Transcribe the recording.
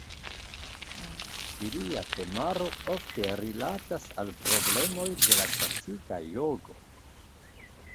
Ilia temaro ofte rilatas al problemoj de la klasika jogo.